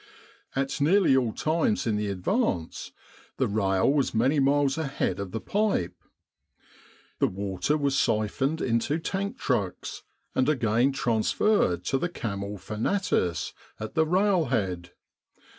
At nearly all times in the advance the ratt was many miles ahead of the pipe. The water was syphoned into tank trucks, and again transferred to the camel fanatis at the railhead.